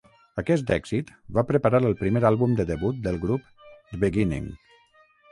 Aquest èxit va preparar el primer àlbum de debut del grup: "The Beginning".